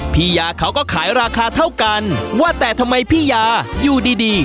พี่ยาเขาก็ขายราคาเท่ากันว่าแต่ทำไมพี่ยาอยู่ดีดี